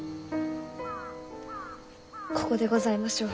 ここでございましょう。